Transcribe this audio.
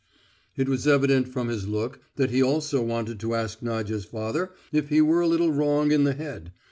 It was evident from his look that he also wanted to ask Nadya's father if he were a little wrong in the head....